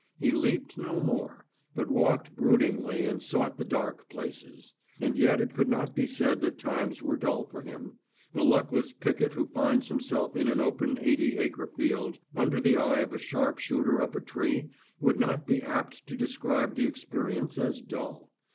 He leaped no more, but walked broodingly and sought the dark places. And yet it could not be said that times were dull for him: the luckless picket who finds himself in an open eighty acre field, under the eye of a sharpshooter up a tree, would not be apt to describe the experience as dull.